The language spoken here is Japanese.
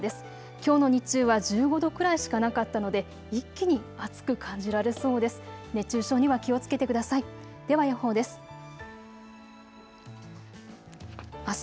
きょうの日中は１５度くらいしかなかったので一気に暑く感じられそうです。